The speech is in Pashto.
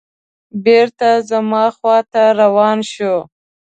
بېرته زما خواته روان شو.